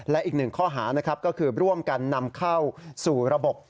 และอีกหนึ่งข้อหานะครับก็คือร่วมกันนำเข้าสู่ระบบ